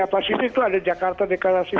asia pacific itu ada jakarta deklarasi who